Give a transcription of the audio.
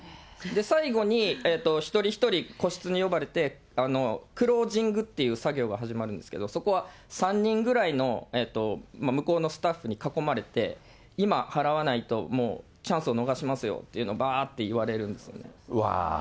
最後に、一人一人個室に呼ばれて、クロージングっていう作業が始まるんですけど、そこは３人ぐらいの向こうのスタッフに囲まれて、今、払わないともうチャンスを逃しますよっていうのを、うわー、分かるわ。